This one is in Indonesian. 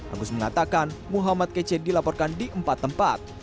agus mengatakan muhammad kc dilaporkan di empat tempat